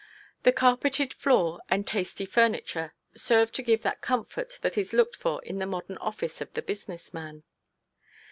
The carpeted floor and tasty furniture serve to give that comfort that is looked for in the modern office of the business man.